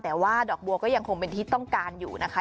แต่ว่าดอกบัวก็ยังคงเป็นที่ต้องการอยู่นะคะ